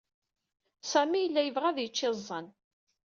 Sami yella yebɣa ad yečč iẓẓan.